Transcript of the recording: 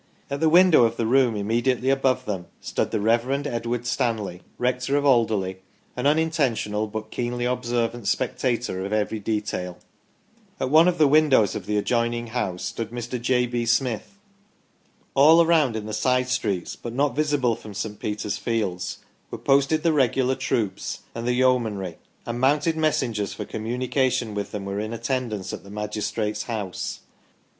At the window of the room immediately above them stood the Rev. Edward Stanley, Rector of Alderley, an unin tentional but keenly observant spectator of every detail. At one of the windows of the adjoining house stood Mr. J. B. Smith. All around, in the side streets, but not visible from St. Peter's fields, were posted the regular troops and the yeomanry, and mounted messengers for communication with them were in attendance at the magistrates' house.